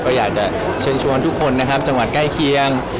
ก็อยากจะเชิญชวนทุกคนนะครับจังหวัดใกล้เคียง